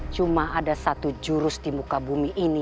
cuma ada satu jurus di muka bumi ini